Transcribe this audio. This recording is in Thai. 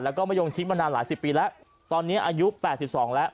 แล้วก็มะยงชิดมานานหลายสิบปีแล้วตอนนี้อายุ๘๒แล้ว